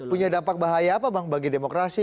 punya dampak bahaya apa bang bagi demokrasi